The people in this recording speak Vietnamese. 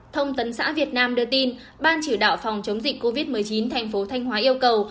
thông tấn xã việt nam đưa tin ban chỉ đạo phòng chống dịch covid một mươi chín thành phố thanh hóa yêu cầu